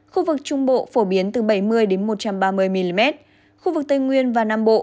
khu vực trung bộ phổ biến từ bảy mươi một trăm ba mươi mm khu vực tây nguyên và nam bộ